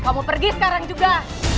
kamu pergi sekarang juga